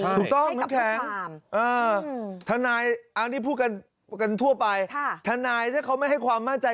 ถูกต้องน้ำแข็งทนายอันนี้พูดกันทั่วไปทนายถ้าเขาไม่ให้ความมั่นใจ